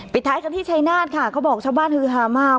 ท้ายกันที่ชัยนาธค่ะเขาบอกชาวบ้านฮือฮามาก